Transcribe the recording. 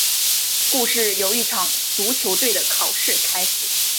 故事由一场足球队的考试开始。